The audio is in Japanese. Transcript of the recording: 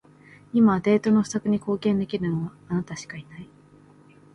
今、データの不足に貢献できるのは、あなたしかいない。